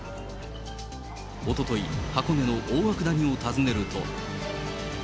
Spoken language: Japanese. おととい、箱根の大涌谷を訪ねると。